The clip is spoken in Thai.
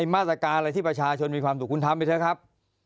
มาตรการอะไรที่ประชาชนมีความสุขคุณทำไปเถอะครับ